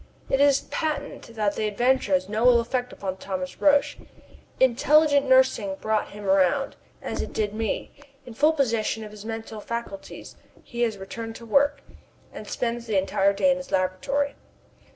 It is patent that the adventure has had no ill effect upon Thomas Roch. Intelligent nursing brought him around, as it did me. In full possession of his mental faculties he has returned to work, and spends the entire day in his laboratory.